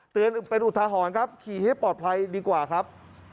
เป็นอุทาหรณ์ครับขี่ให้ปลอดภัยดีกว่าครับ